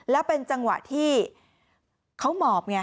แล้วเป็นจังหวะที่เขาหมอบไง